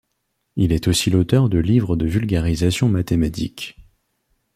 Il est aussi l'auteur de livres de vulgarisation mathématique.